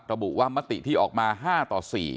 ระบุว่ามติที่ออกมา๕ต่อ๔